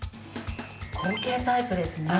後傾タイプですね。